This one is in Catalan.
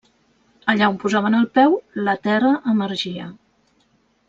Allà on posaven el peu, la terra emergia.